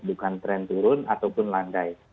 bukan tren turun ataupun landai